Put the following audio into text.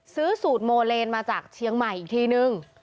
ซื้อสูตรโมเลนมาจากเชียงใหม่อีกทีนึง